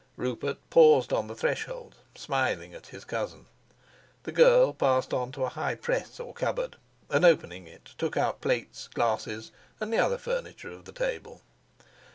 Rupert paused on the threshold, smiling at his cousin; the girl passed on to a high press or cupboard, and, opening it, took out plates, glasses, and the other furniture of the table.